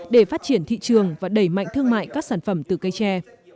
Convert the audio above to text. để phát triển thị trường và đẩy mạnh thương mại các sản phẩm từ cây tre